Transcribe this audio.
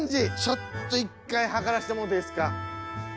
ちょっと一回量らせてもろうていいですか？